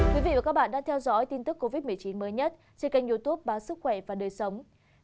các bạn đã theo dõi tin tức covid một mươi chín mới nhất trên kênh youtube báo sức khỏe và đời sống